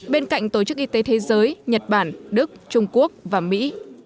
bên cạnh tổ chức y tế thế giới nhật bản đức trung quốc và mỹ